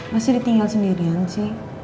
masih ditinggal sendirian sih